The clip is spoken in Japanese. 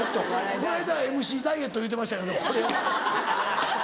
この間は「ＭＣダイエット」言うてましたけどねこれを。